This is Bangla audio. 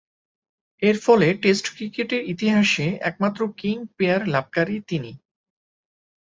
এরফলে টেস্ট ক্রিকেটের ইতিহাসে একমাত্র কিং পেয়ার লাভকারী তিনি।